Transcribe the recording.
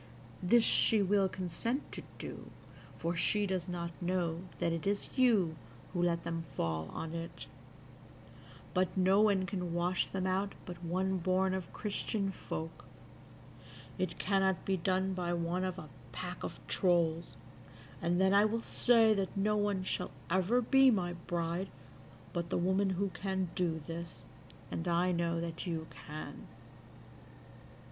This she will consent to do, for she does not know that it is you who let them fall on it; but no one can wash them out but one born of Christian folk: it cannot be done by one of a pack of trolls; and then I will say that no one shall ever be my bride but the woman who can do this, and I know that you can."